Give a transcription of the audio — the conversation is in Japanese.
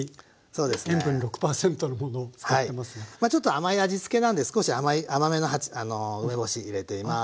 まあちょっと甘い味つけなんで少し甘めの梅干し入れています。